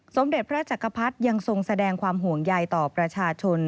สมเด็จพระจักรพรรดิยังทรงแสดงความห่วงใยต่อประชาชน